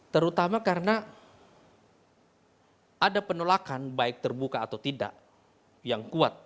terutama karena ada penolakan baik terbuka atau tidak yang kuat